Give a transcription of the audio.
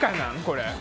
これ。